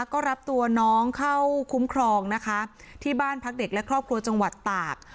ก็รับตัวน้องเข้าคุ้มครองนะคะที่บ้านพักเด็กและครอบครัวจังหวัดตาก